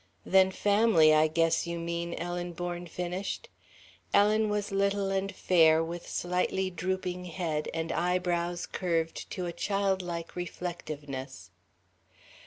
"... than family, I guess you mean," Ellen Bourne finished. Ellen was little and fair, with slightly drooping head, and eyebrows curved to a childlike reflectiveness.